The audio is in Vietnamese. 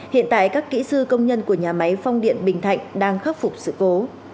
hiện tại các kỹ sư công nhân của nhà máy phong điện bình thạnh đang khắc phục sự cố